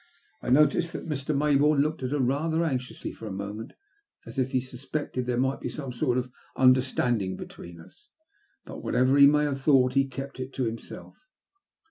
I noticed that Mr. Maybourne looked at her rather anxiously for a moment as if he suspected there might be some sort of understanding between us, but whatever he may have thought he kept it to himself.